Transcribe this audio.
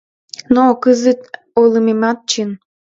Но кызыт ойлымемат чын.